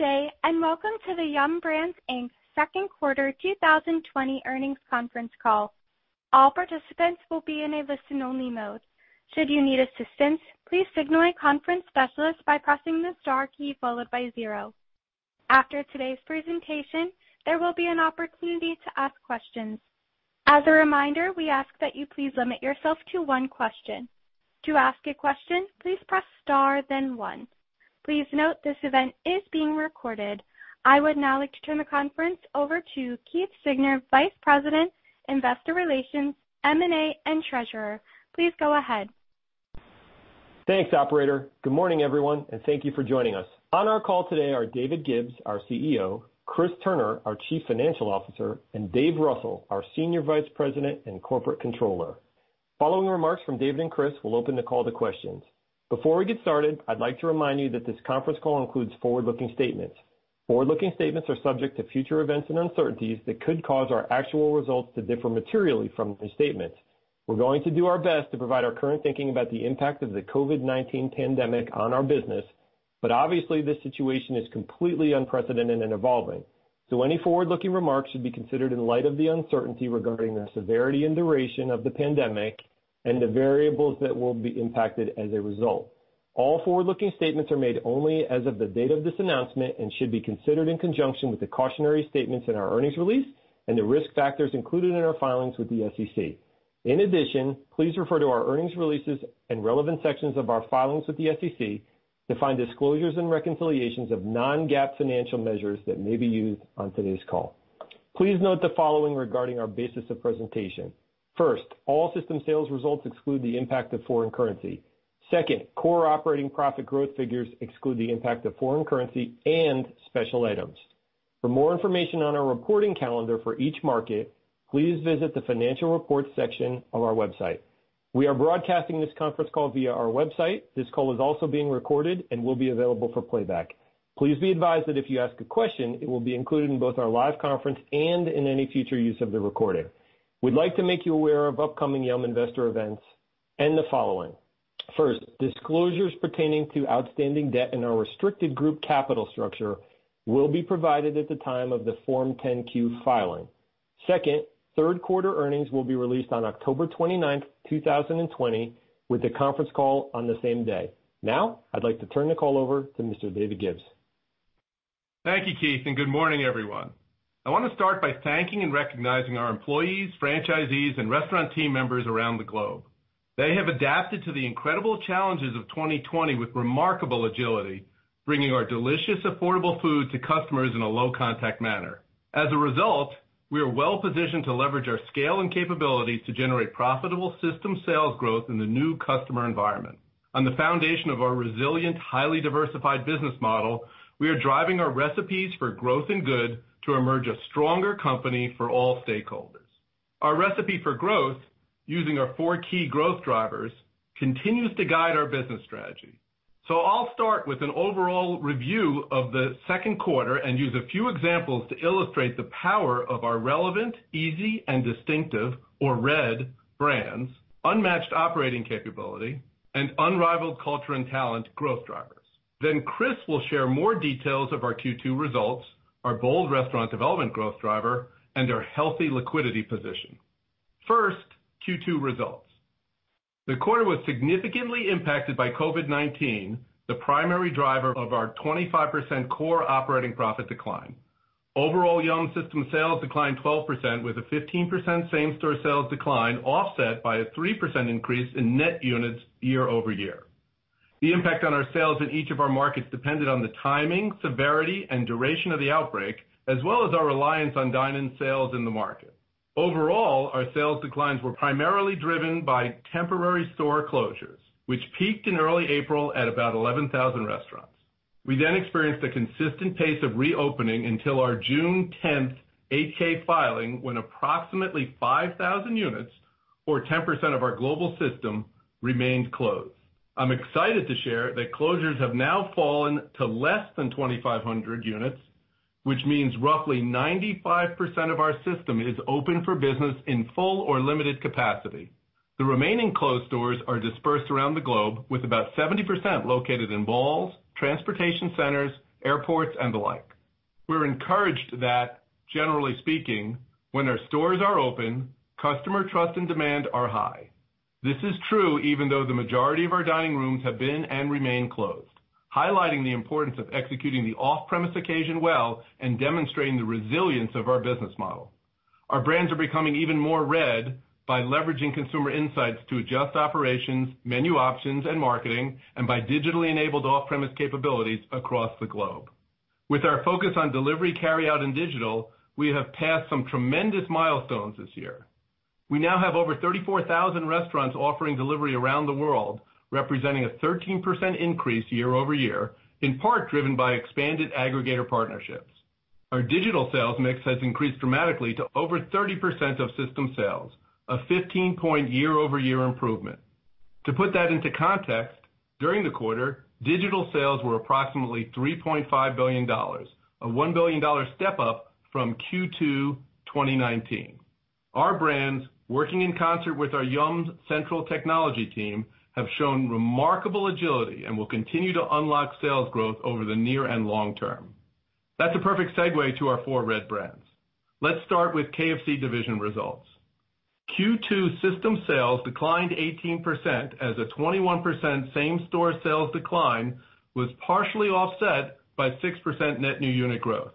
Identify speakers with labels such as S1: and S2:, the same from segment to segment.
S1: Good day, and welcome to the Yum! Brands Inc.'s Second Quarter 2020 Earnings Conference Call. All participants will be in a listen-only mode. Should you need assistance, please signal a conference specialist by pressing the star key followed by zero. After today's presentation, there will be an opportunity to ask questions. As a reminder, we ask that you please limit yourself to one question. To ask a question, please press star, then one. Please note this event is being recorded. I would now like to turn the conference over to Keith Siegner, Vice President, Investor Relations, M&A, and Treasurer. Please go ahead.
S2: Thanks, operator. Good morning, everyone, thank you for joining us. On our call today are David Gibbs, our CEO, Chris Turner, our Chief Financial Officer, and Dave Russell, our Senior Vice President and Corporate Controller. Following remarks from David and Chris, we'll open the call to questions. Before we get started, I'd like to remind you that this conference call includes forward-looking statements. Forward-looking statements are subject to future events and uncertainties that could cause our actual results to differ materially from these statements. We're going to do our best to provide our current thinking about the impact of the COVID-19 pandemic on our business, obviously, this situation is completely unprecedented and evolving. Any forward-looking remarks should be considered in light of the uncertainty regarding the severity and duration of the pandemic and the variables that will be impacted as a result. All forward-looking statements are made only as of the date of this announcement and should be considered in conjunction with the cautionary statements in our earnings release and the risk factors included in our filings with the SEC. Please refer to our earnings releases and relevant sections of our filings with the SEC to find disclosures and reconciliations of non-GAAP financial measures that may be used on today's call. Please note the following regarding our basis of presentation. All system sales results exclude the impact of foreign currency. Core operating profit growth figures exclude the impact of foreign currency and special items. For more information on our reporting calendar for each market, please visit the financial reports section of our website. We are broadcasting this conference call via our website. This call is also being recorded and will be available for playback. Please be advised that if you ask a question, it will be included in both our live conference and in any future use of the recording. We'd like to make you aware of upcoming Yum! investor events and the following. First, disclosures pertaining to outstanding debt in our restricted group capital structure will be provided at the time of the Form 10-Q filing. Second, third quarter earnings will be released on October 29th, 2020, with a conference call on the same day. Now, I'd like to turn the call over to Mr. David Gibbs.
S3: Thank you, Keith, and good morning, everyone. I want to start by thanking and recognizing our employees, franchisees, and restaurant team members around the globe. They have adapted to the incredible challenges of 2020 with remarkable agility, bringing our delicious, affordable food to customers in a low-contact manner. As a result, we are well-positioned to leverage our scale and capabilities to generate profitable system sales growth in the new customer environment. On the foundation of our resilient, highly diversified business model, we are driving our Recipes for Growth and Good to emerge a stronger company for all stakeholders. Our Recipe for Growth, using our four key growth drivers, continues to guide our business strategy. I'll start with an overall review of the second quarter and use a few examples to illustrate the power of our relevant, easy, and distinctive or RED brands, unmatched operating capability, and unrivaled culture and talent growth drivers. Chris will share more details of our Q2 results, our bold restaurant development growth driver, and our healthy liquidity position. Q2 results. The quarter was significantly impacted by COVID-19, the primary driver of our 25% core operating profit decline. Overall, Yum! system sales declined 12% with a 15% same-store sales decline offset by a 3% increase in net units year-over-year. The impact on our sales in each of our markets depended on the timing, severity, and duration of the outbreak, as well as our reliance on dine-in sales in the market. Overall, our sales declines were primarily driven by temporary store closures, which peaked in early April at about 11,000 restaurants. We experienced a consistent pace of reopening until our June 10th 8-K filing, when approximately 5,000 units or 10% of our global system remained closed. I'm excited to share that closures have now fallen to less than 2,500 units, which means roughly 95% of our system is open for business in full or limited capacity. The remaining closed stores are dispersed around the globe, with about 70% located in malls, transportation centers, airports, and the like. We're encouraged that, generally speaking, when our stores are open, customer trust and demand are high. This is true even though the majority of our dining rooms have been and remain closed, highlighting the importance of executing the off-premise occasion well and demonstrating the resilience of our business model. Our brands are becoming even more RED by leveraging consumer insights to adjust operations, menu options, and marketing, and by digitally enabled off-premise capabilities across the globe. With our focus on delivery, carryout, and digital, we have passed some tremendous milestones this year. We now have over 34,000 restaurants offering delivery around the world, representing a 13% increase year-over-year, in part driven by expanded aggregator partnerships. Our digital sales mix has increased dramatically to over 30% of system sales, a 15-point year-over-year improvement. To put that into context, during the quarter, digital sales were approximately $3.5 billion, a $1 billion step-up from Q2 2019. Our brands, working in concert with our Yum! central technology team, have shown remarkable agility and will continue to unlock sales growth over the near and long term. That's a perfect segue to our four RED brands. Let's start with KFC division results. Q2 system sales declined 18% as a 21% same-store sales decline was partially offset by 6% net new unit growth.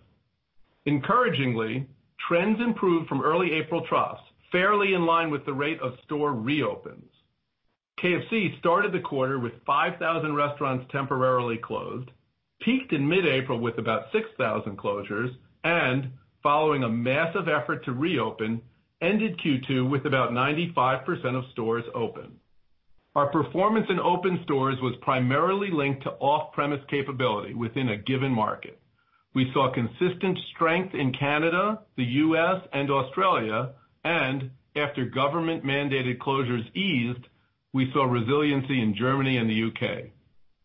S3: Encouragingly, trends improved from early April troughs, fairly in line with the rate of store reopens. KFC started the quarter with 5,000 restaurants temporarily closed, peaked in mid-April with about 6,000 closures, and following a massive effort to reopen, ended Q2 with about 95% of stores open. Our performance in open stores was primarily linked to off-premise capability within a given market. We saw consistent strength in Canada, the U.S., and Australia, and after government-mandated closures eased, we saw resiliency in Germany and the U.K.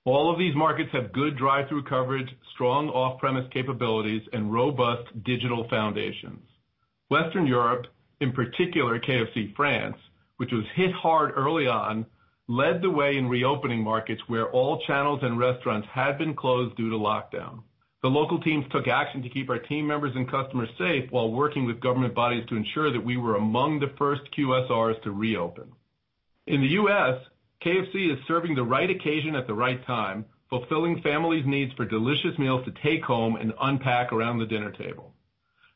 S3: All of these markets have good drive-thru coverage, strong off-premise capabilities, and robust digital foundations. Western Europe, in particular, KFC France, which was hit hard early on, led the way in reopening markets where all channels and restaurants had been closed due to lockdown. The local teams took action to keep our team members and customers safe while working with government bodies to ensure that we were among the first QSRs to reopen. In the US, KFC is serving the right occasion at the right time, fulfilling families' needs for delicious meals to take home and unpack around the dinner table.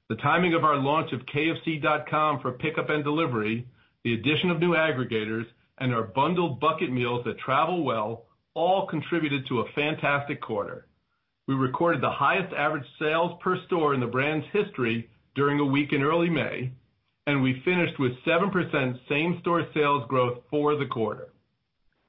S3: The timing of our launch of kfc.com for pickup and delivery, the addition of new aggregators, and our bundled bucket meals that travel well all contributed to a fantastic quarter. We recorded the highest average sales per store in the brand's history during a week in early May, and we finished with 7% same-store sales growth for the quarter.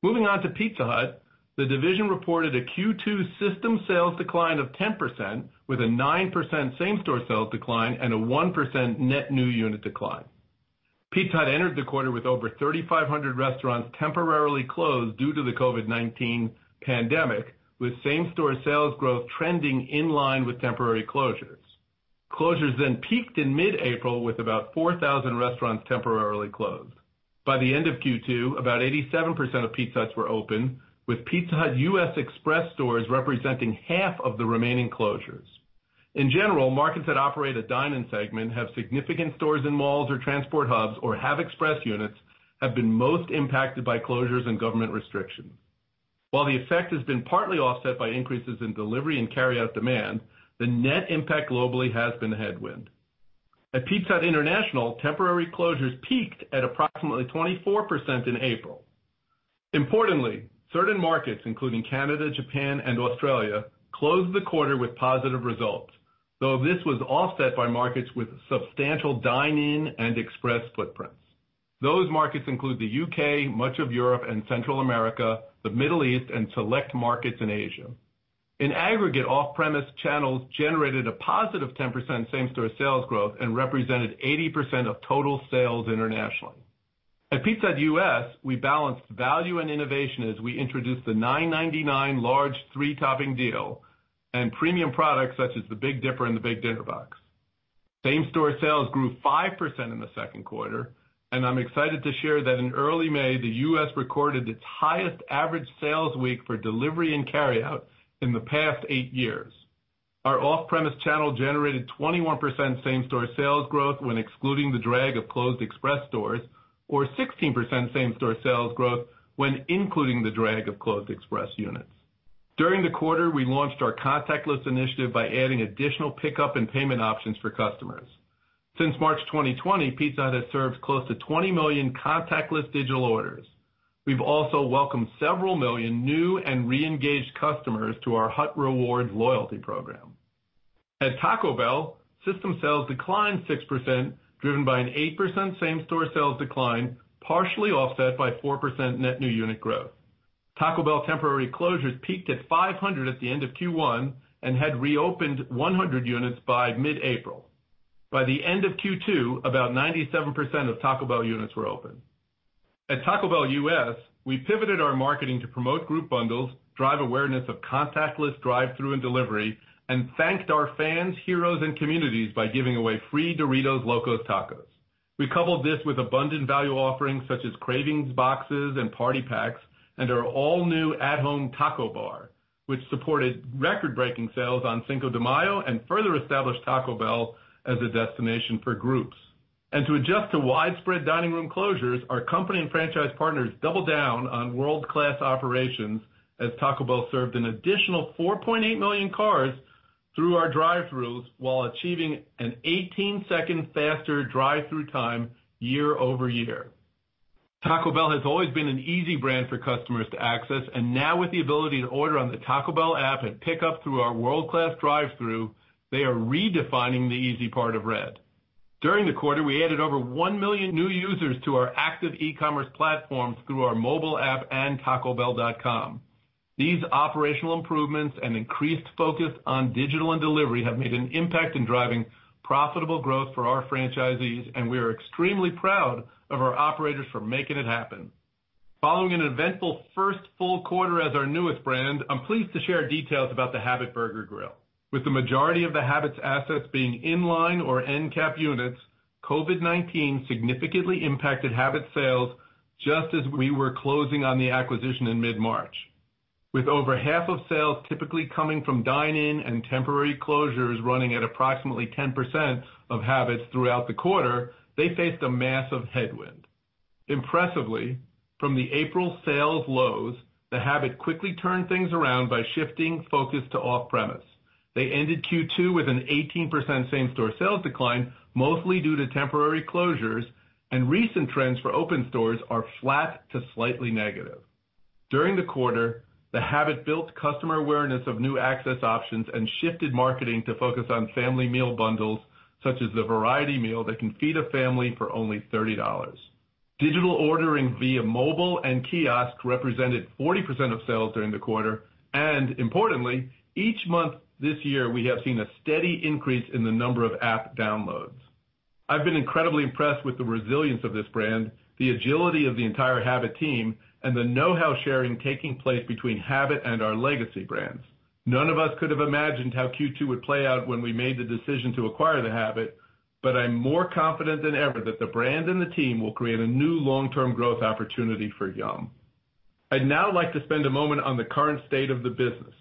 S3: Moving on to Pizza Hut, the division reported a Q2 system sales decline of 10%, with a 9% same-store sales decline and a 1% net new unit decline. Pizza Hut entered the quarter with over 3,500 restaurants temporarily closed due to the COVID-19 pandemic, with same-store sales growth trending in line with temporary closures. Closures peaked in mid-April, with about 4,000 restaurants temporarily closed. By the end of Q2, about 87% of Pizza Huts were open, with Pizza Hut U.S. express stores representing half of the remaining closures. In general, markets that operate a dine-in segment have significant stores in malls or transport hubs or have express units, have been most impacted by closures and government restrictions. While the effect has been partly offset by increases in delivery and carryout demand, the net impact globally has been a headwind. At Pizza Hut International, temporary closures peaked at approximately 24% in April. Importantly, certain markets, including Canada, Japan, and Australia, closed the quarter with positive results, though this was offset by markets with substantial dine-in and express footprints. Those markets include the U.K., much of Europe and Central America, the Middle East, and select markets in Asia. In aggregate, off-premise channels generated a positive 10% same-store sales growth and represented 80% of total sales internationally. At Pizza Hut U.S., we balanced value and innovation as we introduced the $9.99 large three-topping deal and premium products such as the Big Dipper and the Big Dinner Box. Same-store sales grew 5% in the second quarter, I'm excited to share that in early May, the U.S. recorded its highest average sales week for delivery and carryout in the past eight years. Our off-premise channel generated 21% same-store sales growth when excluding the drag of closed express stores, or 16% same-store sales growth when including the drag of closed express units. During the quarter, we launched our contactless initiative by adding additional pickup and payment options for customers. Since March 2020, Pizza Hut has served close to 20 million contactless digital orders. We've also welcomed several million new and reengaged customers to our Hut Rewards loyalty program. At Taco Bell, system sales declined 6%, driven by an 8% same-store sales decline, partially offset by 4% net new unit growth. Taco Bell temporary closures peaked at 500 at the end of Q1 and had reopened 100 units by mid-April. By the end of Q2, about 97% of Taco Bell units were open. At Taco Bell U.S., we pivoted our marketing to promote group bundles, drive awareness of contactless drive-thru and delivery, and thanked our fans, heroes, and communities by giving away free Doritos Locos Tacos. We coupled this with abundant value offerings such as Cravings Boxes and Party Packs and our all-new at-home taco bar, which supported record-breaking sales on Cinco de Mayo and further established Taco Bell as a destination for groups. To adjust to widespread dining room closures, our company and franchise partners doubled down on world-class operations as Taco Bell served an additional 4.8 million cars through our drive-thrus while achieving an 18-second faster drive-thru time year-over-year. Taco Bell has always been an easy brand for customers to access, and now with the ability to order on the Taco Bell app and pick up through our world-class drive-thru, they are redefining the easy part of RED. During the quarter, we added over 1 million new users to our active e-commerce platforms through our mobile app and tacobell.com. These operational improvements and increased focus on digital and delivery have made an impact in driving profitable growth for our franchisees, and we are extremely proud of our operators for making it happen. Following an eventful first full quarter as our newest brand, I'm pleased to share details about The Habit Burger & Grill. With the majority of The Habit's assets being inline or end-cap units, COVID-19 significantly impacted The Habit sales just as we were closing on the acquisition in mid-March. With over half of sales typically coming from dine-in and temporary closures running at approximately 10% of The Habit throughout the quarter, they faced a massive headwind. Impressively, from the April sales lows, The Habit quickly turned things around by shifting focus to off-premise. They ended Q2 with an 18% same-store sales decline, mostly due to temporary closures, and recent trends for open stores are flat to slightly negative. During the quarter, The Habit built customer awareness of new access options and shifted marketing to focus on family meal bundles, such as the variety meal that can feed a family for only $30. Digital ordering via mobile and kiosk represented 40% of sales during the quarter, and importantly, each month this year, we have seen a steady increase in the number of app downloads. I've been incredibly impressed with the resilience of this brand, the agility of the entire Habit team, and the know-how sharing taking place between Habit and our legacy brands. None of us could have imagined how Q2 would play out when we made the decision to acquire The Habit, but I'm more confident than ever that the brand and the team will create a new long-term growth opportunity for Yum! I'd now like to spend a moment on the current state of the business.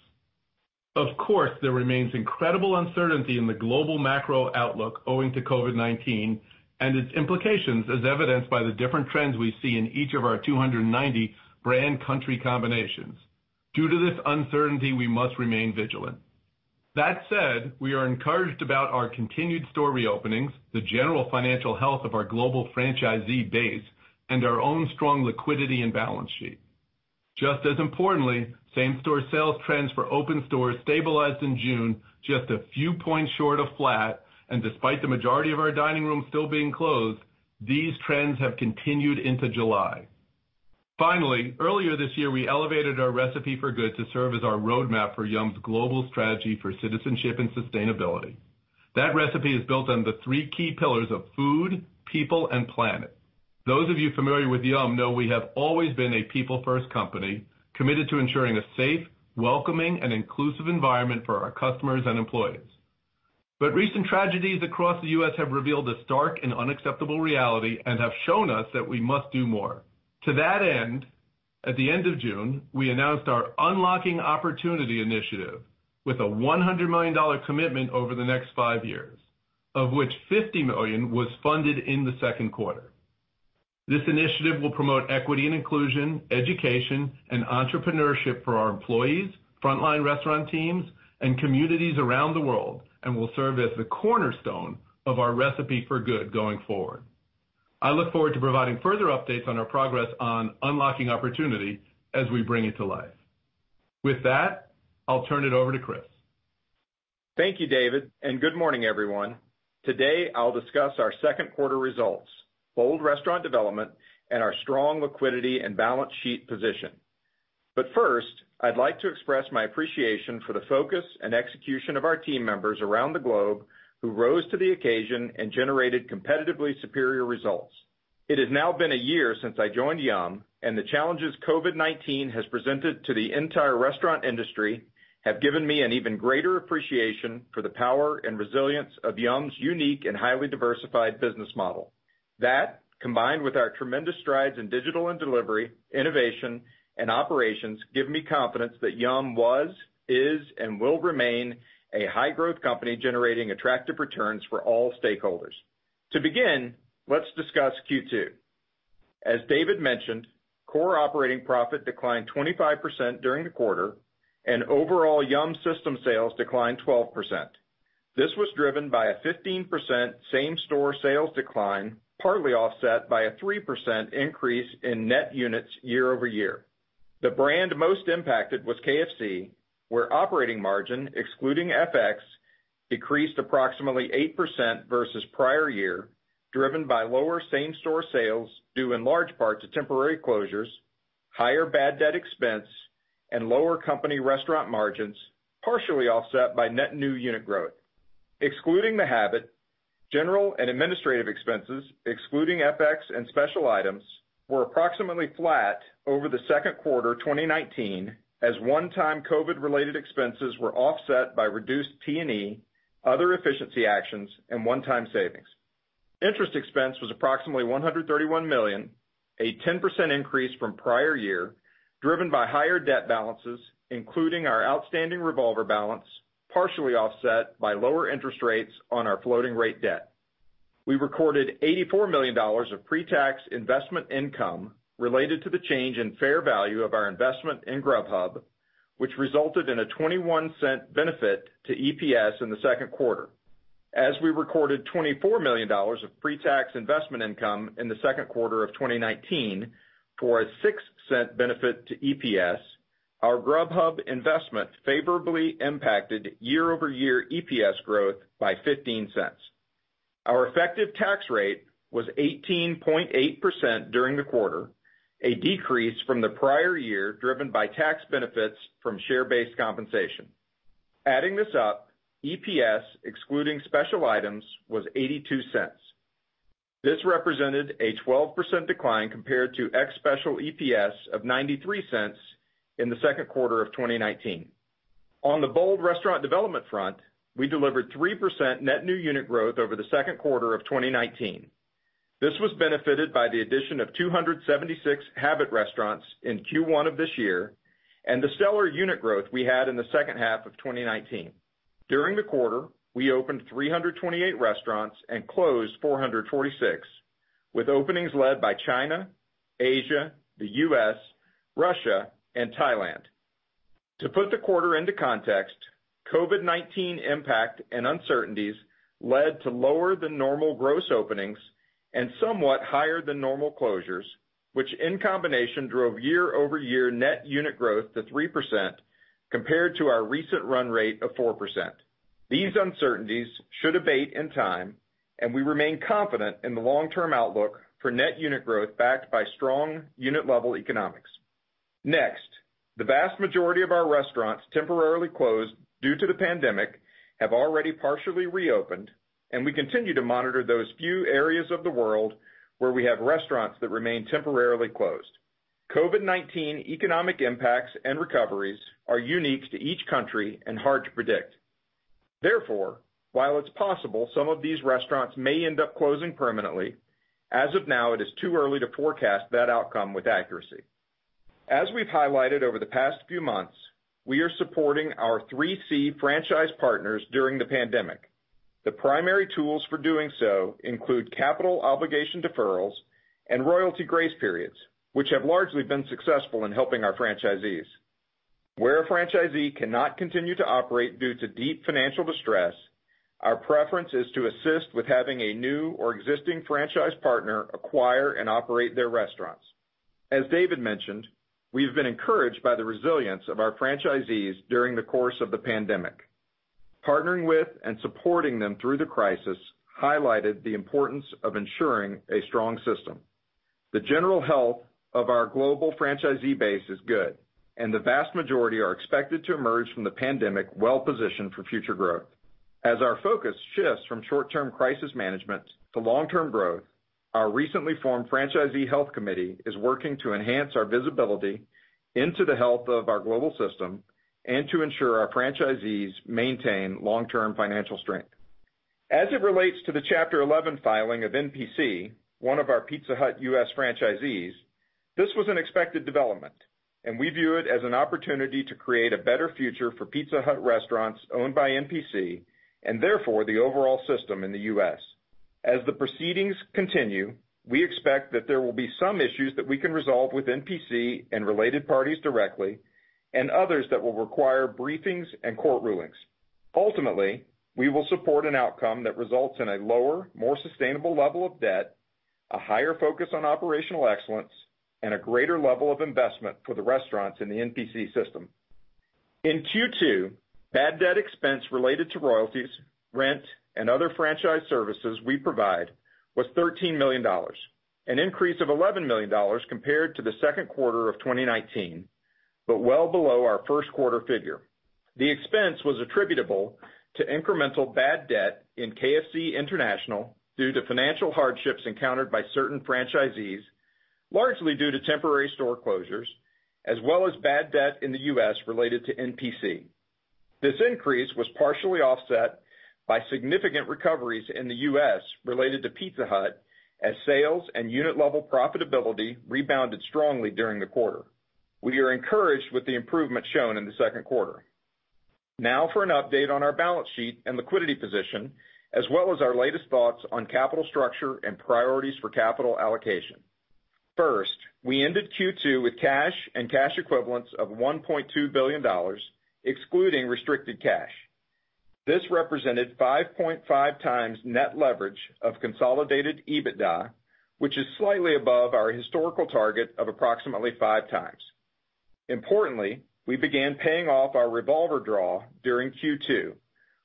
S3: Of course, there remains incredible uncertainty in the global macro outlook owing to COVID-19 and its implications, as evidenced by the different trends we see in each of our 290 brand country combinations. Due to this uncertainty, we must remain vigilant. That said, we are encouraged about our continued store reopenings, the general financial health of our global franchisee base, and our own strong liquidity and balance sheet. Just as importantly, same-store sales trends for open stores stabilized in June, just a few points short of flat, and despite the majority of our dining rooms still being closed, these trends have continued into July. Finally, earlier this year, we elevated our Recipe for Good to serve as our roadmap for Yum!'s global strategy for citizenship and sustainability. That recipe is built on the three key pillars of food, people, and planet. Those of you familiar with Yum! know we have always been a people-first company, committed to ensuring a safe, welcoming, and inclusive environment for our customers and employees. Recent tragedies across the U.S. have revealed a stark and unacceptable reality and have shown us that we must do more. To that end, at the end of June, we announced our Unlocking Opportunity Initiative with a $100 million commitment over the next five years, of which $50 million was funded in the second quarter. This initiative will promote equity and inclusion, education, and entrepreneurship for our employees, frontline restaurant teams, and communities around the world, and will serve as the cornerstone of our Recipe for Good going forward. I look forward to providing further updates on our progress on Unlocking Opportunity as we bring it to life. With that, I'll turn it over to Chris.
S4: Thank you, David. Good morning, everyone. Today, I'll discuss our second quarter results, bold restaurant development, and our strong liquidity and balance sheet position. First, I'd like to express my appreciation for the focus and execution of our team members around the globe who rose to the occasion and generated competitively superior results. It has now been a year since I joined Yum!, and the challenges COVID-19 has presented to the entire restaurant industry have given me an even greater appreciation for the power and resilience of Yum!'s unique and highly diversified business model. That, combined with our tremendous strides in digital and delivery, innovation, and operations, give me confidence that Yum! was, is, and will remain a high-growth company generating attractive returns for all stakeholders. To begin, let's discuss Q2. As David mentioned, core operating profit declined 25% during the quarter, and overall Yum! system sales declined 12%. This was driven by a 15% same-store sales decline, partly offset by a 3% increase in net units year-over-year. The brand most impacted was KFC, where operating margin, excluding FX, decreased approximately 8% versus prior year, driven by lower same-store sales due in large part to temporary closures, higher bad debt expense, and lower company restaurant margins, partially offset by net new unit growth. Excluding The Habit, general and administrative expenses, excluding FX and special items, were approximately flat over the second quarter 2019 as one-time COVID-related expenses were offset by reduced T&E, other efficiency actions, and one-time savings. Interest expense was approximately $131 million, a 10% increase from prior year, driven by higher debt balances, including our outstanding revolver balance, partially offset by lower interest rates on our floating rate debt. We recorded $84 million of pre-tax investment income related to the change in fair value of our investment in Grubhub, which resulted in a $0.21 benefit to EPS in the second quarter. As we recorded $24 million of pre-tax investment income in the second quarter of 2019 for a $0.06 benefit to EPS, our Grubhub investment favorably impacted year-over-year EPS growth by $0.15. Our effective tax rate was 18.8% during the quarter, a decrease from the prior year driven by tax benefits from share-based compensation. Adding this up, EPS, excluding special items, was $0.82. This represented a 12% decline compared to ex special EPS of $0.93 in the second quarter of 2019. On the bold restaurant development front, we delivered 3% net new unit growth over the second quarter of 2019. This was benefited by the addition of 276 Habit restaurants in Q1 of this year, and the stellar unit growth we had in the second half of 2019. During the quarter, we opened 328 restaurants and closed 446, with openings led by China, Asia, the U.S., Russia, and Thailand. To put the quarter into context, COVID-19 impact and uncertainties led to lower than normal gross openings and somewhat higher than normal closures, which in combination drove year-over-year net unit growth to 3%, compared to our recent run rate of 4%. These uncertainties should abate in time, and we remain confident in the long-term outlook for net unit growth backed by strong unit-level economics. The vast majority of our restaurants temporarily closed due to the pandemic have already partially reopened, and we continue to monitor those few areas of the world where we have restaurants that remain temporarily closed. COVID-19 economic impacts and recoveries are unique to each country and hard to predict. Therefore, while it's possible some of these restaurants may end up closing permanently, as of now, it is too early to forecast that outcome with accuracy. As we've highlighted over the past few months, we are supporting our 3C franchise partners during the pandemic. The primary tools for doing so include capital obligation deferrals and royalty grace periods, which have largely been successful in helping our franchisees. Where a franchisee cannot continue to operate due to deep financial distress, our preference is to assist with having a new or existing franchise partner acquire and operate their restaurants. As David mentioned, we have been encouraged by the resilience of our franchisees during the course of the pandemic. Partnering with and supporting them through the crisis highlighted the importance of ensuring a strong system. The general health of our global franchisee base is good, and the vast majority are expected to emerge from the pandemic well-positioned for future growth. As our focus shifts from short-term crisis management to long-term growth, our recently formed Franchisee Health Committee is working to enhance our visibility into the health of our global system and to ensure our franchisees maintain long-term financial strength. As it relates to the Chapter 11 filing of NPC, one of our Pizza Hut U.S. franchisees, this was an expected development, and we view it as an opportunity to create a better future for Pizza Hut restaurants owned by NPC, and therefore the overall system in the US. As the proceedings continue, we expect that there will be some issues that we can resolve with NPC and related parties directly, and others that will require briefings and court rulings. Ultimately, we will support an outcome that results in a lower, more sustainable level of debt, a higher focus on operational excellence, and a greater level of investment for the restaurants in the NPC system. In Q2, bad debt expense related to royalties, rent, and other franchise services we provide was $13 million, an increase of $11 million compared to the second quarter of 2019, but well below our first quarter figure. The expense was attributable to incremental bad debt in KFC International due to financial hardships encountered by certain franchisees, largely due to temporary store closures, as well as bad debt in the U.S. related to NPC. This increase was partially offset by significant recoveries in the U.S. related to Pizza Hut as sales and unit-level profitability rebounded strongly during the quarter. We are encouraged with the improvement shown in the second quarter. Now for an update on our balance sheet and liquidity position, as well as our latest thoughts on capital structure and priorities for capital allocation. We ended Q2 with cash and cash equivalents of $1.2 billion, excluding restricted cash. This represented 5.5x net leverage of consolidated EBITDA, which is slightly above our historical target of approximately 5x. Importantly, we began paying off our revolver draw during Q2,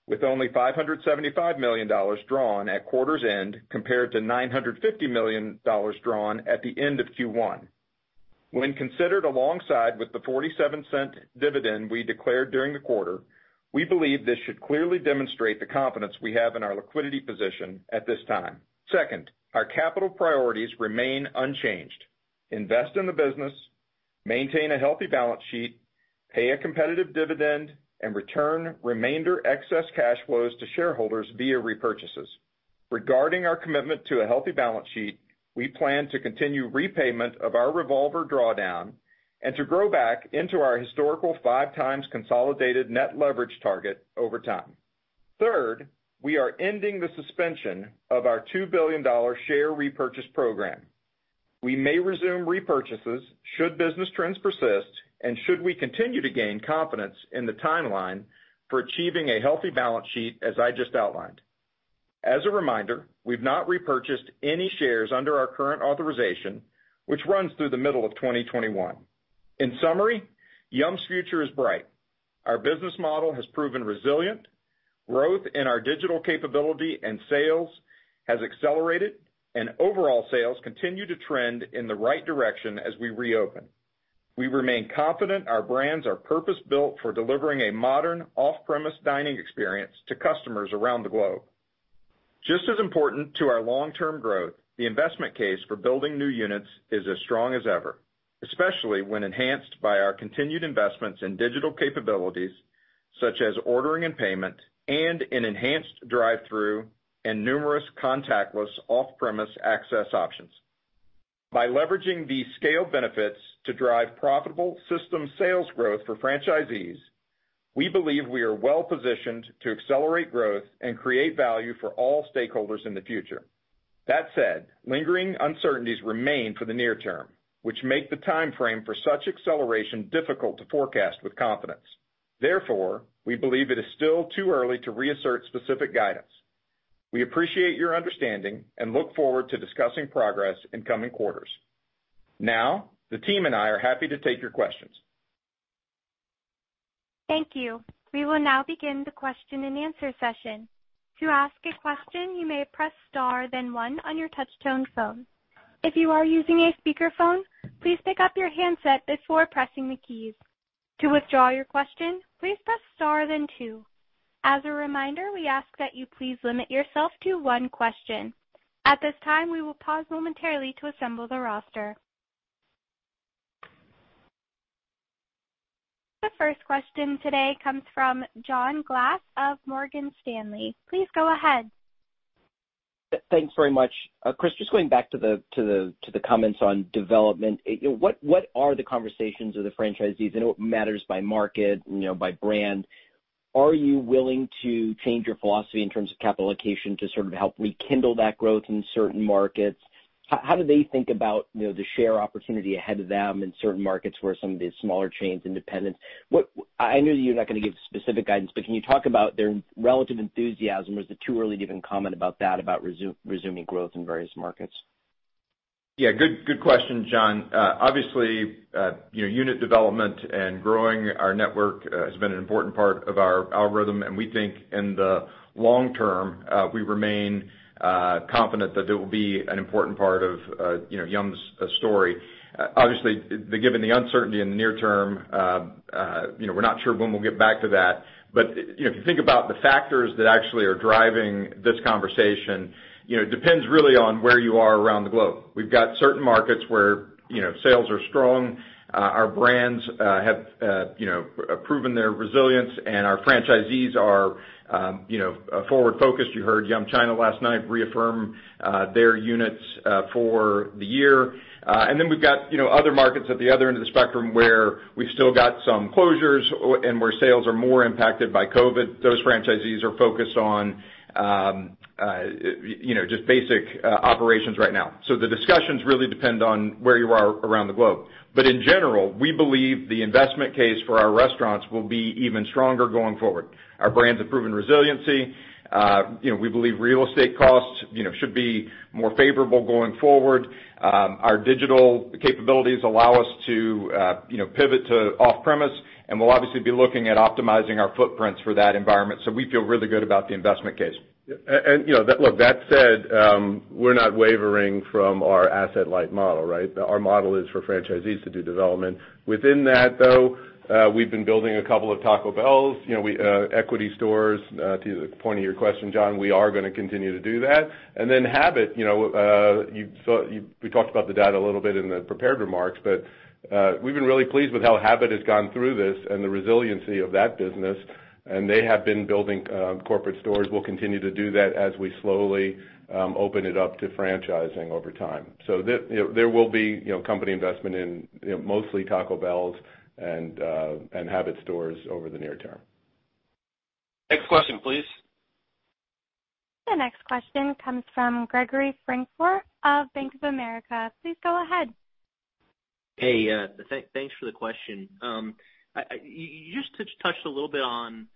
S4: with only $575 million drawn at quarter's end compared to $950 million drawn at the end of Q1. When considered alongside with the $0.47 dividend we declared during the quarter, we believe this should clearly demonstrate the confidence we have in our liquidity position at this time. Our capital priorities remain unchanged. Invest in the business, maintain a healthy balance sheet, pay a competitive dividend, and return remainder excess cash flows to shareholders via repurchases. Regarding our commitment to a healthy balance sheet, we plan to continue repayment of our revolver drawdown and to grow back into our historical 5x consolidated net leverage target over time. Third, we are ending the suspension of our $2 billion share repurchase program. We may resume repurchases should business trends persist and should we continue to gain confidence in the timeline for achieving a healthy balance sheet as I just outlined. As a reminder, we've not repurchased any shares under our current authorization, which runs through the middle of 2021. In summary, Yum!'s future is bright. Our business model has proven resilient. Growth in our digital capability and sales has accelerated, and overall sales continue to trend in the right direction as we reopen. We remain confident our brands are purpose-built for delivering a modern off-premise dining experience to customers around the globe. Just as important to our long-term growth, the investment case for building new units is as strong as ever, especially when enhanced by our continued investments in digital capabilities such as ordering and payment, and an enhanced drive-thru and numerous contactless off-premise access options. By leveraging these scale benefits to drive profitable system sales growth for franchisees, we believe we are well positioned to accelerate growth and create value for all stakeholders in the future. That said, lingering uncertainties remain for the near term, which make the timeframe for such acceleration difficult to forecast with confidence. Therefore, we believe it is still too early to reassert specific guidance. We appreciate your understanding and look forward to discussing progress in coming quarters. Now, the team and I are happy to take your questions.
S1: Thank you. We will now begin the question and answer session. To ask a question, you may press star then one on your touchtone phone. If you are using a speakerphone, please pick up your handset before pressing the keys. To withdraw your question, please press star then two. As a reminder, we ask that you please limit yourself to one question. At this time, we will pause momentarily to assemble the roster. The first question today comes from John Glass of Morgan Stanley. Please go ahead.
S5: Thanks very much. Chris, just going back to the comments on development. What are the conversations with the franchisees? I know it matters by market, by brand. Are you willing to change your philosophy in terms of capital allocation to sort of help rekindle that growth in certain markets? How do they think about the share opportunity ahead of them in certain markets where some of these smaller chains, independents? I know you're not going to give specific guidance, but can you talk about their relative enthusiasm, or is it too early to even comment about that, about resuming growth in various markets?
S3: Yeah, good question, John. Unit development and growing our network has been an important part of our algorithm, and we think in the long term, we remain confident that it will be an important part of Yum!'s story. Given the uncertainty in the near term, we're not sure when we'll get back to that. If you think about the factors that actually are driving this conversation, it depends really on where you are around the globe. We've got certain markets where sales are strong, our brands have proven their resilience, and our franchisees are forward-focused. You heard Yum China last night reaffirm their units for the year. We've got other markets at the other end of the spectrum where we've still got some closures and where sales are more impacted by COVID. Those franchisees are focused on just basic operations right now. The discussions really depend on where you are around the globe. In general, we believe the investment case for our restaurants will be even stronger going forward. Our brands have proven resiliency. We believe real estate costs should be more favorable going forward. Our digital capabilities allow us to pivot to off-premise, and we'll obviously be looking at optimizing our footprints for that environment, so we feel really good about the investment case. Look. That said, we're not wavering from our asset-light model, right? Our model is for franchisees to do development. Within that, though, we've been building a couple of Taco Bell's equity stores. To the point of your question, John, we are going to continue to do that. Habit, we talked about the data a little bit in the prepared remarks, but we've been really pleased with how Habit has gotten through this and the resiliency of that business, and they have been building corporate stores. We'll continue to do that as we slowly open it up to franchising over time. There will be company investment in mostly Taco Bells and Habit stores over the near term.
S4: Next question, please.
S1: The next question comes from Gregory Francfort of Bank of America. Please go ahead.
S6: Hey, thanks for the question. You just touched a little bit on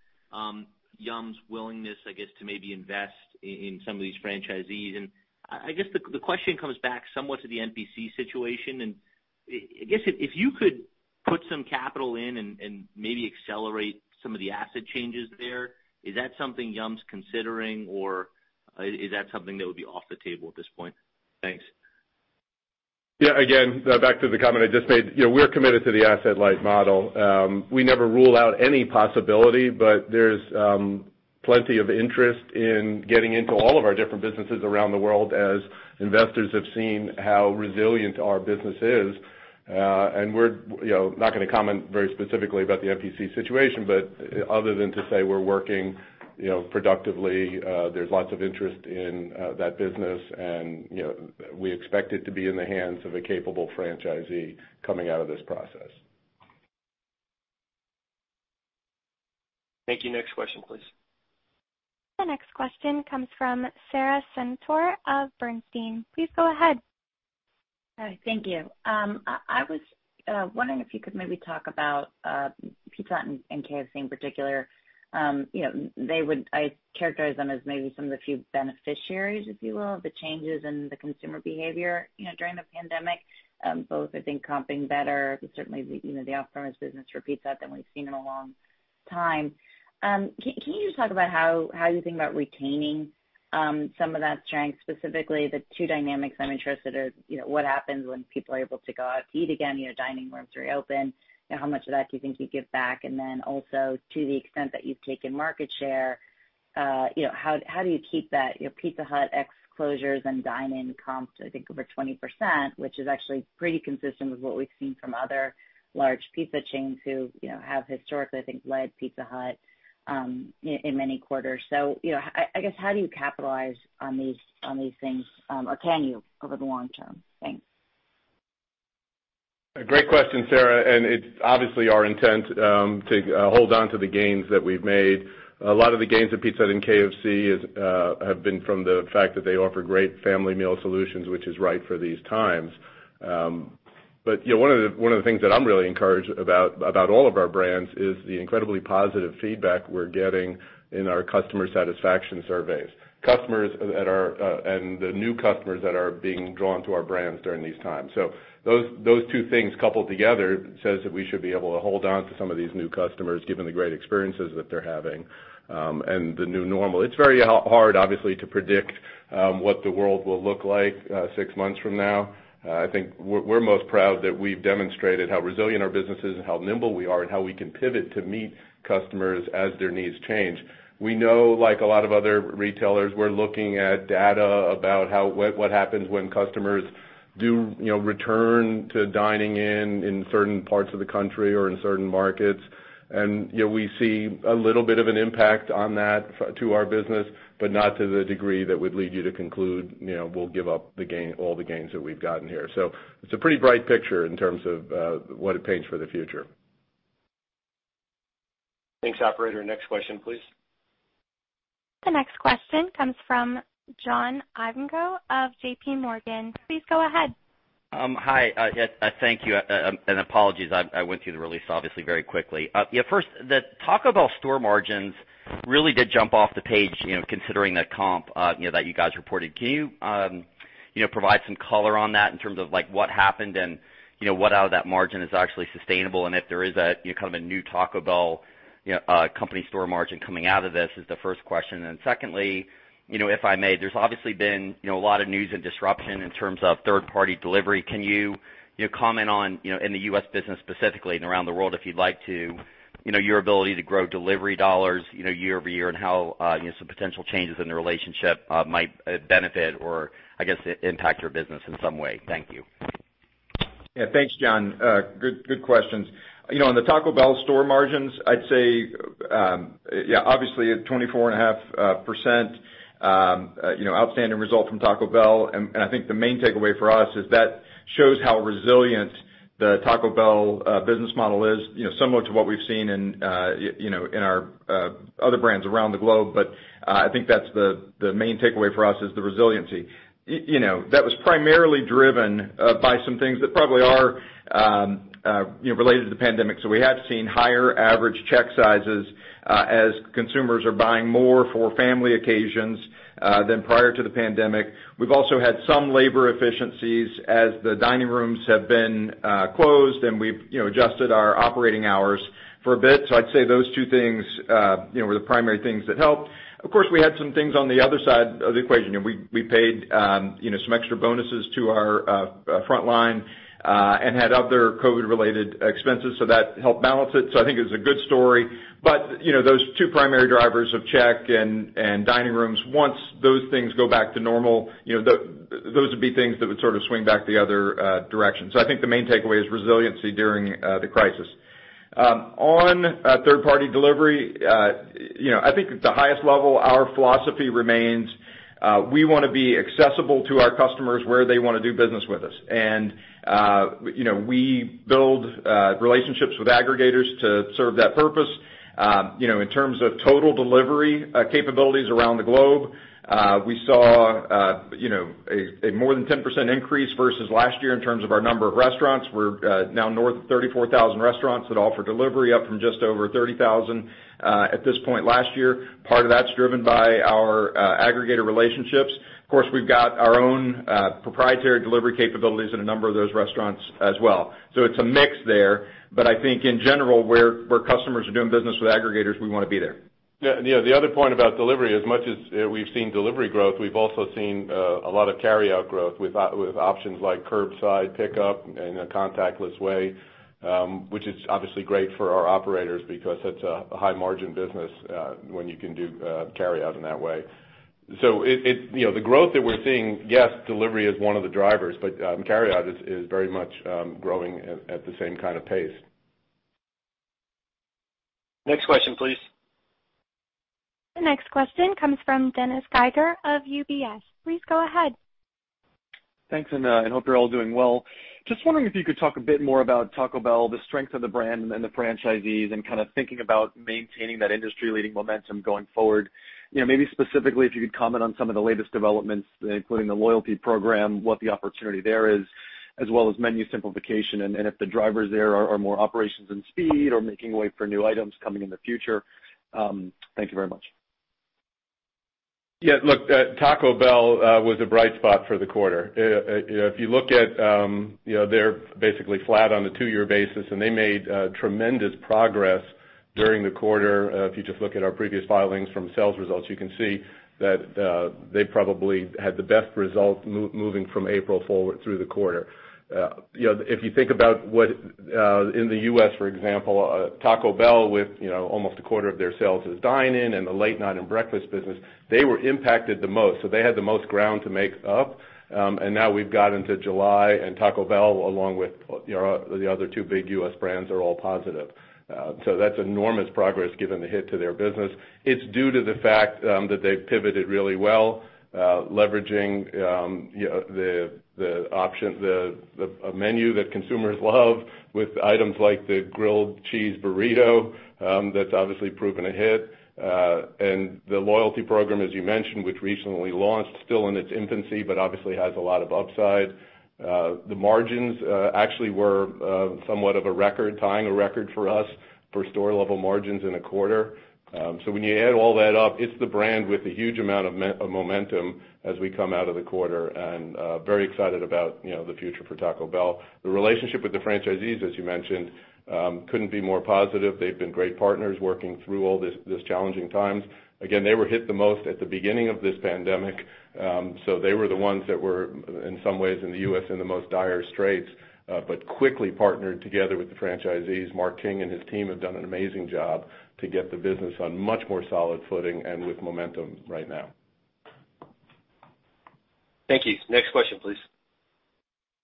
S6: Yum!'s willingness, I guess, to maybe invest in some of these franchisees, and I guess the question comes back somewhat to the NPC situation. I guess if you could put some capital in and maybe accelerate some of the asset changes there, is that something Yum!'s considering, or is that something that would be off the table at this point? Thanks.
S3: Again, back to the comment I just made. We're committed to the asset-light model. We never rule out any possibility, but there's plenty of interest in getting into all of our different businesses around the world as investors have seen how resilient our business is. We're not going to comment very specifically about the NPC situation, but other than to say we're working productively. There's lots of interest in that business, and we expect it to be in the hands of a capable franchisee coming out of this process.
S2: Thank you. Next question, please.
S1: The next question comes from Sara Senatore of Bernstein. Please go ahead.
S7: Hi. Thank you. I was wondering if you could maybe talk about Pizza Hut and KFC in particular. I characterize them as maybe some of the few beneficiaries, if you will, of the changes in the consumer behavior during the pandemic. Both, I think, comping better. Certainly, the off-premise business for Pizza Hut than we've seen in a long. Time. Can you just talk about how you think about retaining some of that strength, specifically the two dynamics I'm interested in. What happens when people are able to go out to eat again, dining rooms reopen, how much of that do you think you'd give back? Also, to the extent that you've taken market share, how do you keep that Pizza Hut ex-closures and dine-in comps, I think, over 20%, which is actually pretty consistent with what we've seen from other large pizza chains who have historically, I think, led Pizza Hut in many quarters. I guess, how do you capitalize on these things, or can you, over the long term? Thanks.
S3: A great question, Sara, it's obviously our intent to hold onto the gains that we've made. A lot of the gains at Pizza Hut and KFC have been from the fact that they offer great family meal solutions, which is right for these times. One of the things that I'm really encouraged about all of our brands, is the incredibly positive feedback we're getting in our customer satisfaction surveys, customers and the new customers that are being drawn to our brands during these times. Those two things coupled together says that we should be able to hold on to some of these new customers given the great experiences that they're having, and the new normal. It's very hard, obviously, to predict what the world will look like six months from now. I think we're most proud that we've demonstrated how resilient our business is and how nimble we are and how we can pivot to meet customers as their needs change. We know, like a lot of other retailers, we're looking at data about what happens when customers do return to dining in in certain parts of the country or in certain markets. We see a little bit of an impact on that to our business, but not to the degree that would lead you to conclude we'll give up all the gains that we've gotten here. It's a pretty bright picture in terms of what it paints for the future.
S2: Thanks, operator. Next question, please.
S1: The next question comes from John Ivankoe of JPMorgan. Please go ahead.
S8: Hi. Thank you. Apologies, I went through the release obviously very quickly. First, the Taco Bell store margins really did jump off the page considering that comp that you guys reported. Can you provide some color on that in terms of what happened and what out of that margin is actually sustainable, and if there is a new Taco Bell company store margin coming out of this, is the first question. Secondly, if I may, there's obviously been a lot of news and disruption in terms of third-party delivery. Can you comment on, in the U.S. business specifically and around the world if you'd like to, your ability to grow delivery dollars year-over-year and how some potential changes in the relationship might benefit or, I guess, impact your business in some way? Thank you.
S4: Yeah. Thanks, John. Good questions. On the Taco Bell store margins, I'd say, obviously a 24.5%, outstanding result from Taco Bell, and I think the main takeaway for us is that shows how resilient the Taco Bell business model is, similar to what we've seen in our other brands around the globe. I think that's the main takeaway for us is the resiliency. That was primarily driven by some things that probably are related to the pandemic. We have seen higher average check sizes as consumers are buying more for family occasions than prior to the pandemic. We've also had some labor efficiencies as the dining rooms have been closed, and we've adjusted our operating hours for a bit. I'd say those two things were the primary things that helped. Of course, we had some things on the other side of the equation. We paid some extra bonuses to our frontline and had other COVID-related expenses, that helped balance it. I think it was a good story. Those two primary drivers of check and dining rooms, once those things go back to normal, those would be things that would sort of swing back the other direction. I think the main takeaway is resiliency during the crisis. On third-party delivery, I think at the highest level, our philosophy remains we want to be accessible to our customers where they want to do business with us. We build relationships with aggregators to serve that purpose. In terms of total delivery capabilities around the globe, we saw a more than 10% increase versus last year in terms of our number of restaurants. We're now north of 34,000 restaurants that offer delivery, up from just over 30,000 at this point last year. Part of that's driven by our aggregator relationships. Of course, we've got our own proprietary delivery capabilities in a number of those restaurants as well. It's a mix there. I think in general, where customers are doing business with aggregators, we want to be there.
S3: The other point about delivery, as much as we've seen delivery growth, we've also seen a lot of carryout growth with options like curbside pickup and a contactless way, which is obviously great for our operators because that's a high margin business when you can do carryout in that way. The growth that we're seeing, yes, delivery is one of the drivers, but carryout is very much growing at the same kind of pace.
S2: Next question, please.
S1: The next question comes from Dennis Geiger of UBS. Please go ahead.
S9: Thanks. I hope you're all doing well. Just wondering if you could talk a bit more about Taco Bell, the strength of the brand and the franchisees, and kind of thinking about maintaining that industry-leading momentum going forward. Maybe specifically, if you could comment on some of the latest developments, including the loyalty program, what the opportunity there is, as well as menu simplification, and if the drivers there are more operations and speed or making way for new items coming in the future. Thank you very much.
S3: Yeah. Look, Taco Bell was a bright spot for the quarter. They're basically flat on the two-year basis, and they made tremendous progress during the quarter. If you just look at our previous filings from sales results, you can see that they probably had the best result moving from April forward through the quarter. If you think about in the U.S., for example, Taco Bell, with almost a quarter of their sales as dine-in and the late night and breakfast business, they were impacted the most. They had the most ground to make up. Now we've got into July, and Taco Bell, along with the other two big U.S. brands, are all positive. That's enormous progress given the hit to their business. It's due to the fact that they've pivoted really well, leveraging a menu that consumers love with items like the Grilled Cheese Burrito. That's obviously proven a hit. The loyalty program, as you mentioned, which recently launched, still in its infancy, but obviously has a lot of upside. The margins actually were somewhat of a record, tying a record for us for store-level margins in a quarter. When you add all that up, it's the brand with a huge amount of momentum as we come out of the quarter, and very excited about the future for Taco Bell. The relationship with the franchisees, as you mentioned, couldn't be more positive. They've been great partners working through all these challenging times. They were hit the most at the beginning of this pandemic, so they were the ones that were, in some ways in the U.S., in the most dire straits, but quickly partnered together with the franchisees. Mark King and his team have done an amazing job to get the business on much more solid footing and with momentum right now.
S2: Thank you. Next question, please.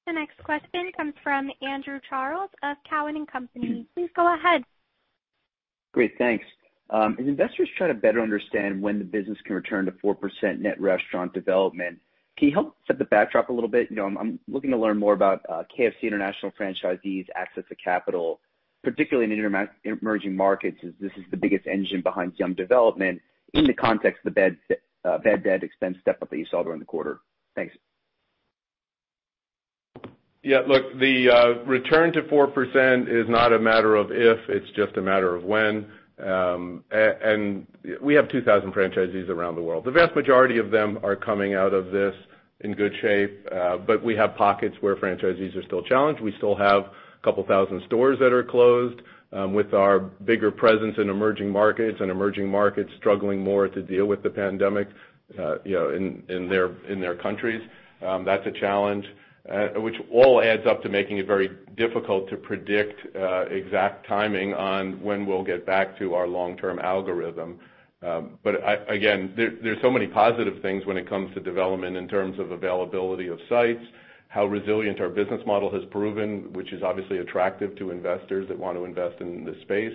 S1: The next question comes from Andrew Charles of Cowen and Company. Please go ahead.
S10: Great, thanks. As investors try to better understand when the business can return to 4% net restaurant development, can you help set the backdrop a little bit? I'm looking to learn more about KFC International franchisees' access to capital, particularly in emerging markets, as this is the biggest engine behind Yum development in the context of the bad debt expense step up that you saw during the quarter. Thanks.
S3: Yeah. Look, the return to 4% is not a matter of if, it's just a matter of when. We have 2,000 franchisees around the world. The vast majority of them are coming out of this in good shape. We have pockets where franchisees are still challenged. We still have a couple thousand stores that are closed with our bigger presence in emerging markets and emerging markets struggling more to deal with the pandemic in their countries. That's a challenge. All adds up to making it very difficult to predict exact timing on when we'll get back to our long-term algorithm. Again, there's so many positive things when it comes to development in terms of availability of sites, how resilient our business model has proven, which is obviously attractive to investors that want to invest in this space.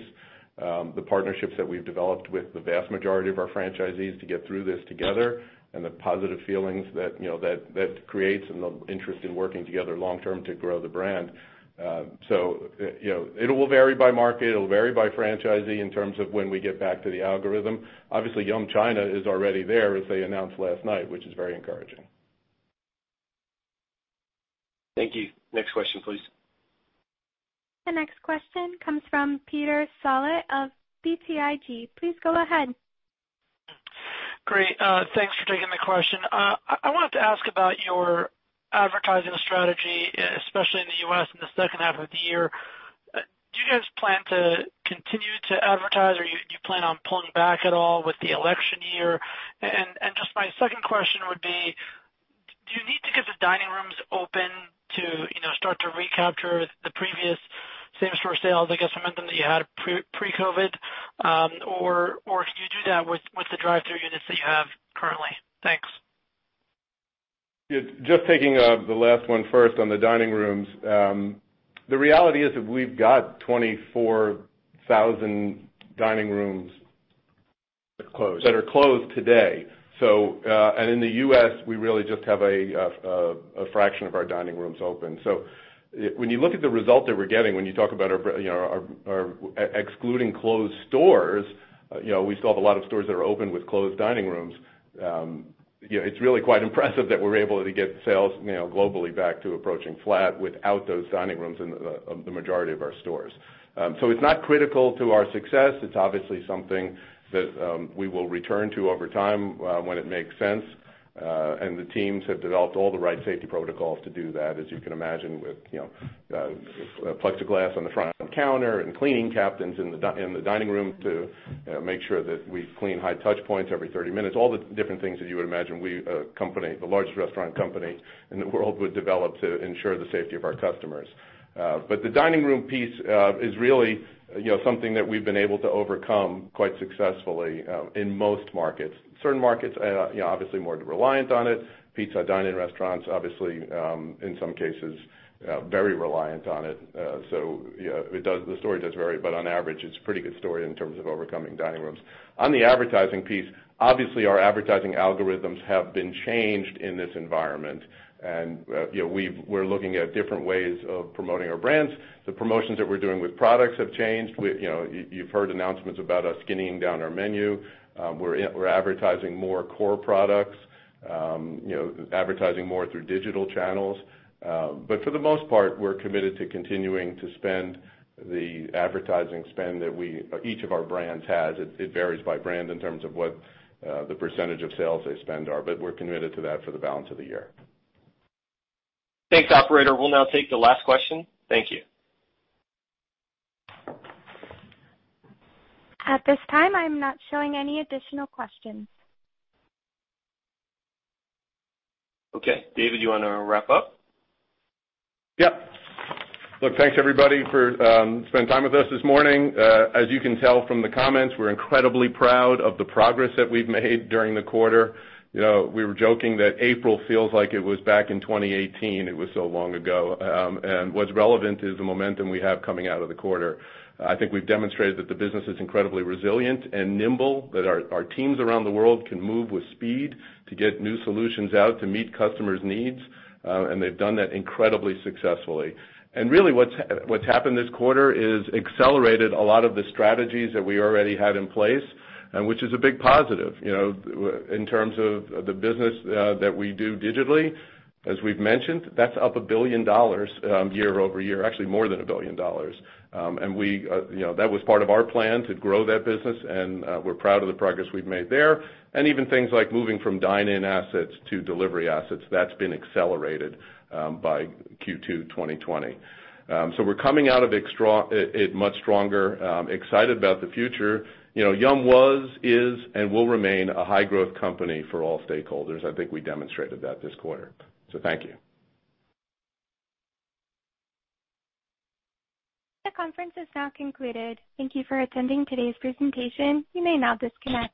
S3: The partnerships that we've developed with the vast majority of our franchisees to get through this together, and the positive feelings that creates and the interest in working together long term to grow the brand. It will vary by market, it'll vary by franchisee in terms of when we get back to the algorithm. Obviously, Yum China is already there, as they announced last night, which is very encouraging.
S2: Thank you. Next question, please.
S1: The next question comes from Peter Saleh of BTIG. Please go ahead.
S11: Great. Thanks for taking the question. I wanted to ask about your advertising strategy, especially in the U.S. in the second half of the year. Do you guys plan to continue to advertise, or you plan on pulling back at all with the election year? Just my second question would be, do you need to get the dining rooms open to start to recapture the previous same-store sales, I guess, momentum that you had pre-COVID? Can you do that with the drive-thru units that you have currently? Thanks.
S3: Just taking the last one first on the dining rooms. The reality is that we've got 24,000 dining rooms.
S4: That closed.
S3: That are closed today. In the U.S., we really just have a fraction of our dining rooms open. When you look at the result that we're getting, when you talk about excluding closed stores, we still have a lot of stores that are open with closed dining rooms. It's really quite impressive that we're able to get sales globally back to approaching flat without those dining rooms in the majority of our stores. It's not critical to our success. It's obviously something that we will return to over time when it makes sense. The teams have developed all the right safety protocols to do that, as you can imagine, with Plexiglass on the front counter and cleaning captains in the dining room to make sure that we clean high touch points every 30 minutes. All the different things that you would imagine the largest restaurant company in the world would develop to ensure the safety of our customers. The dining room piece is really something that we've been able to overcome quite successfully in most markets. Certain markets, obviously more reliant on it. Pizza dine-in restaurants, obviously, in some cases, very reliant on it. The story does vary, but on average, it's a pretty good story in terms of overcoming dining rooms. On the advertising piece, obviously, our advertising algorithms have been changed in this environment, and we're looking at different ways of promoting our brands. The promotions that we're doing with products have changed. You've heard announcements about us skinnying down our menu. We're advertising more core products, advertising more through digital channels. For the most part, we're committed to continuing to spend the advertising spend that each of our brands has. It varies by brand in terms of what the percentage of sales they spend are. We're committed to that for the balance of the year.
S2: Thanks, operator. We'll now take the last question. Thank you.
S1: At this time, I am not showing any additional questions.
S2: Okay, David, you want to wrap up?
S3: Yep. Look, thanks, everybody, for spending time with us this morning. As you can tell from the comments, we're incredibly proud of the progress that we've made during the quarter. We were joking that April feels like it was back in 2018, it was so long ago. What's relevant is the momentum we have coming out of the quarter. I think we've demonstrated that the business is incredibly resilient and nimble, that our teams around the world can move with speed to get new solutions out to meet customers' needs. They've done that incredibly successfully. Really, what's happened this quarter is accelerated a lot of the strategies that we already had in place, and which is a big positive. In terms of the business that we do digitally, as we've mentioned, that's up $1 billion year-over-year. Actually, more than $1 billion. That was part of our plan to grow that business, and we're proud of the progress we've made there. Even things like moving from dine-in assets to delivery assets, that's been accelerated by Q2 2020. We're coming out of it much stronger, excited about the future. Yum! was, is, and will remain a high-growth company for all stakeholders. I think we demonstrated that this quarter. Thank you.
S1: The conference is now concluded. Thank you for attending today's presentation. You may now disconnect.